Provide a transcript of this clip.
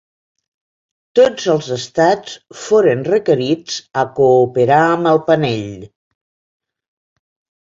Tots els estats foren requerits a cooperar amb el panell.